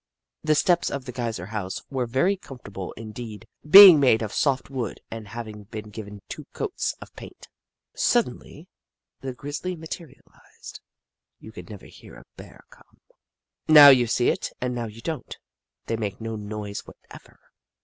The steps of the Geyser House were very comfortable indeed, being made of soft wood and havings been given two coats of paint. Suddenly the grizzly materialised. You can never hear a Bear come. Now you see it and now you don't — they make no noise what ever.